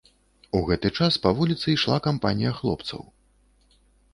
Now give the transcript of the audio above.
У гэты час па вуліцы ішла кампанія хлопцаў.